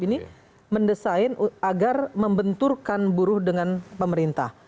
ini mendesain agar membenturkan buruh dengan pemerintah